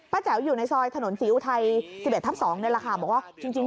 ป้าแจ๋วอยู่ในซอยถนนสีอูทัยสิบเอ็ดทับสองในราคาบอกว่าจริงจริง